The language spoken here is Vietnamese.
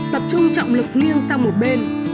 tập trung trọng lực nghiêng sang một bên